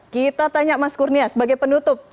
kita tanya mas kurnia sebagai penutup